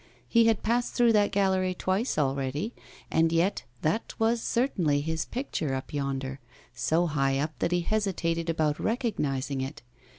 He had passed through that gallery twice already, and yet that was certainly his picture up yonder, so high up that he hesitated about recognising it.